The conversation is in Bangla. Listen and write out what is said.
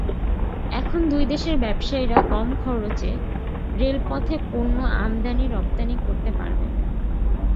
এখন দুই দেশের ব্যবসায়ীরা কম খরচে রেলপথে পণ্য আমদানি রপ্তানি করতে পারবেন।